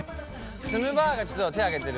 ツムばあがちょっと手挙げてる。